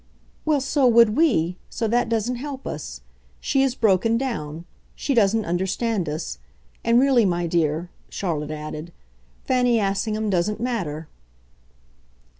"Well, so would we so that doesn't help us. She has broken down. She doesn't understand us. And really, my dear," Charlotte added, "Fanny Assingham doesn't matter."